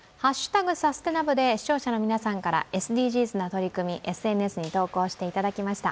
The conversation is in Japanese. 「＃サステナ部」で視聴者の皆さんからＳＤＧｓな取り組み、ＳＮＳに投稿していただきました。